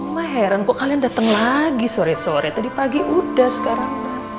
mah heran kok kalian datang lagi sore sore tadi pagi udah sekarang